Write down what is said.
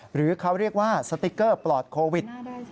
หรือเขาเรียกว่าสติ๊กเกอร์ปลอดโควิด